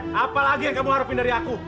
eh apa lagi yang kamu harapin dari aku